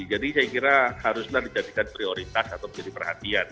jadi saya kira haruslah dijadikan prioritas atau menjadi perhatian